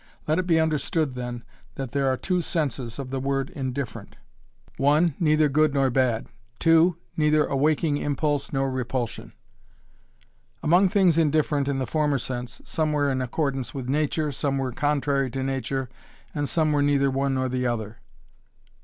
Let it be understood then that there are two senses of the word indifferent (1) neither good nor bad (2) neither awaking impulse nor repulsion Among things indifferent in the former sense, some were in accordance with nature, some were contrary to nature and some were neither one nor the other.